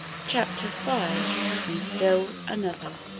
CHAPTER V. AND STILL ANOTHER.